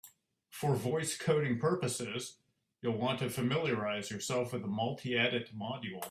For voice coding purposes, you'll want to familiarize yourself with the multiedit module.